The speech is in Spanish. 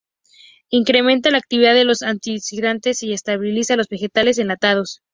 Incrementa la actividad de los antioxidantes y estabiliza los vegetales enlatados.